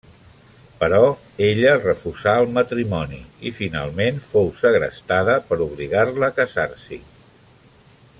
Però ella refusà el matrimoni i finalment fou segrestada per obligar-la a casar-s'hi.